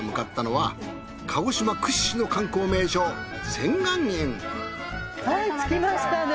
はい着きましたね。